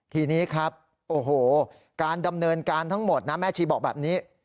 ทีนี้ครับโอ้โหการดำเนินการทั้งหมดนะแม่ชีบอกแบบนี้